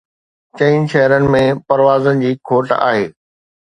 چئن شهرن ۾ پروازن جي کوٽ آهي